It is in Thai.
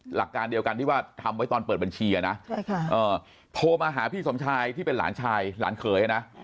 หลักการเดียวกันที่ว่าทำไว้ตอนเปิดบัญชีนะโทรมาหาพี่สมชายที่เป็นหลานชายหลานเขยนะ